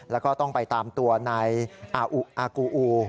แล้วก็ต้องไปตามตัวนายอาอุอากูอู